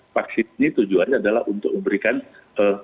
vaksin ini tujuannya adalah untuk memberikan ee